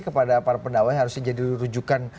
kepada para pendakwa yang harusnya jadi rujukan